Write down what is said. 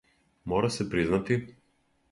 Мора се признати.